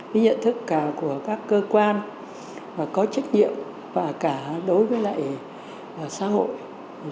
cái nhận thức cả của các cơ quan và có trách nhiệm và cả đối với lại xã hội